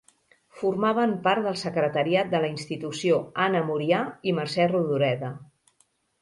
Formaven part del secretariat de la Institució Anna Murià i Mercè Rodoreda.